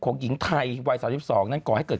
หญิงไทยวัย๓๒นั้นก่อให้เกิด